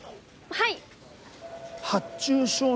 はい。